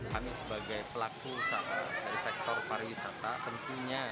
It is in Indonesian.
kami sebagai pelaku usaha dari sektor pariwisata tentunya